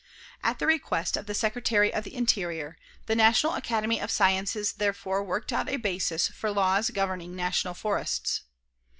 At the request of the Secretary of the Interior, the National Academy of Sciences therefore worked out a basis for laws governing national forests.